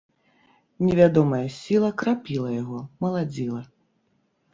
Невядомая сіла крапіла яго, маладзіла.